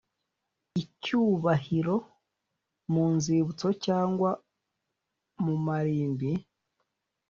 icyubahiro mu nzibutso cyangwa mu marimbi